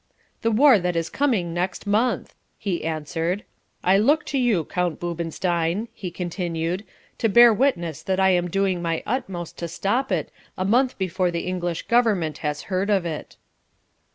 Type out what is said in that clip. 'The war that is coming next month,' he answered, 'I look to you, Count Boobenstein,' he continued, 'to bear witness that I am doing my utmost to stop it a month before the English Government has heard of it.'"